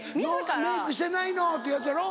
「メイクしてないの」ってやつやろ。